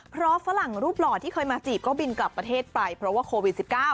เพราะฝรั่งรูปหล่อที่เคยมาจีบก็บินกลับประเทศไปเพราะว่าโควิด๑๙